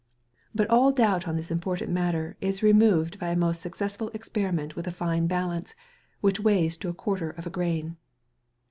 But all doubt upon this important matter is removed by a most successful experiment with a fine balance, which weighs to a quarter of a grain.